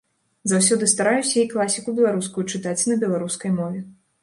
Заўсёды стараюся і класіку беларускую чытаць на беларускай мове.